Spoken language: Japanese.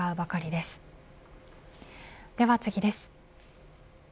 では次です。